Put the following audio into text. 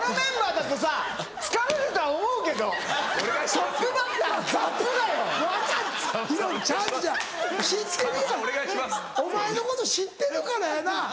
知ってるやんお前のこと知ってるからやな。